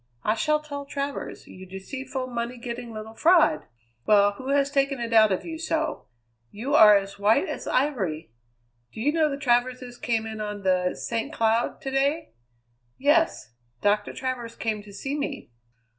I shall tell Travers, you deceitful, money getting little fraud! Well, who has taken it out of you so? You are as white as ivory. Do you know the Traverses came in on the St. Cloud to day?" "Yes. Doctor Travers came to see me."